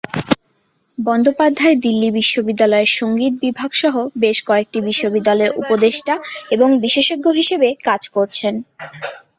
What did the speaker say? বন্দ্যোপাধ্যায় দিল্লি বিশ্ববিদ্যালয়ের সঙ্গীত বিভাগ সহ বেশ কয়েকটি বিশ্ববিদ্যালয়ে উপদেষ্টা এবং বিশেষজ্ঞ হিসাবে কাজ করছেন।